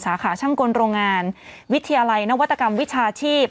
สาขาช่างกลโรงงานวิทยาลัยนวัตกรรมวิชาชีพ